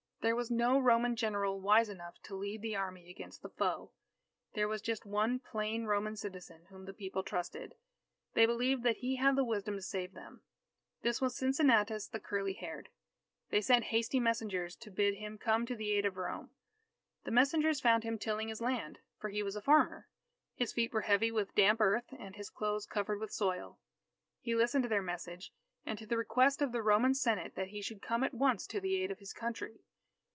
There was no Roman general wise enough to lead the army against the foe. There was just one plain Roman citizen whom the people trusted. They believed that he had the wisdom to save them. This was Cincinnatus the Curly haired. They sent hasty messengers to bid him come to the aid of Rome. The messengers found him tilling his land, for he was a farmer. His feet were heavy with damp earth and his clothes covered with soil. He listened to their message, and to the request of the Roman Senate that he should come at once to the aid of his Country.